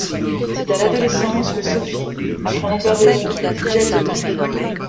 C'est à l'adolescence que Sophie apprend l'accordéon diatonique.